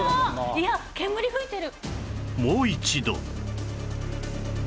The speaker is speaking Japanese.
いや煙噴いてる！